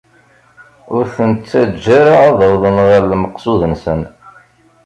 Ur ten-ttaǧǧa ara ad awḍen ɣer lmeqsud-nsen!